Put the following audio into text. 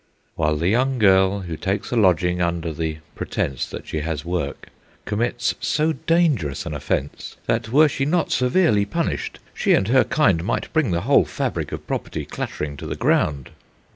While the young girl who takes a lodging under the pretence that she has work commits so dangerous an offence, that, were she not severely punished, she and her kind might bring the whole fabric of property clattering to the ground.